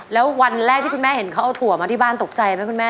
แล้ววันแรกที่คุณแม่เห็นเขาเอาถั่วมาที่บ้านตกใจไหมคุณแม่